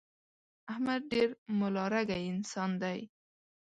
احمد ډېر ملا رګی انسان دی.